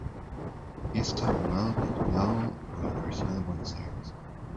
Es abogado titulado por la Universidad de Buenos Aires.